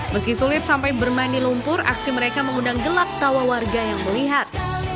meski sulit sampai bermain di lumpur aksi mereka mengundang gelak tawa warga yang melihat